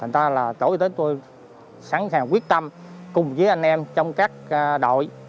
tổ y tế sẵn sàng quyết tâm cùng với anh em trong các đội